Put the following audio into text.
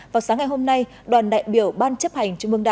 vào sáng ngày hôm nay đoàn đại biểu ban chấp hành